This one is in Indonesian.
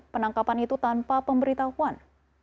penangkapan itu tanpa pemberitahuan